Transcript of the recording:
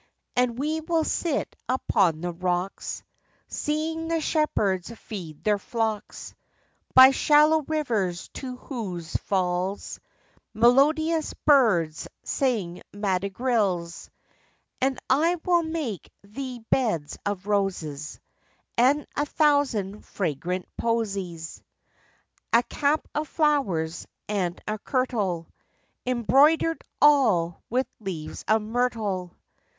And we will sit upon the rocks, Seeing the shepherds feed their flocks By shallow rivers, to whose falls Melodious birds sing madrigals. And I will make thee beds of roses, And a thousand fragrant posies: A cap of flowers, and a kirtle, Embroider'd all with leaves of myrtle.